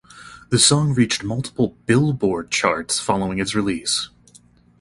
The song reach multiple "Billboard" charts following its release.